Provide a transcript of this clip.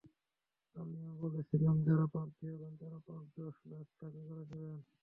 আমিও বলেছিলাম, যাঁরা প্রার্থী হবেন তাঁরা পাঁচ-দশ লাখ টাকা করে দেবেন।